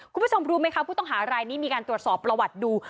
คุณผู้ชมรู้ไหมคะผู้ต้องหารายนี้มีการตรวจสอบประวัติดู